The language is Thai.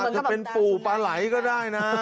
จะเป็นปู่ปลาไหล่ก็ได้นะ